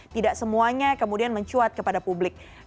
tidak semuanya kemudian mencuat kepada publik